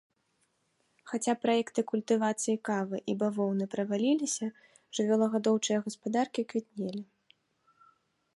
Хаця праекты культывацыі кавы і бавоўны праваліліся, жывёлагадоўчыя гаспадаркі квітнелі.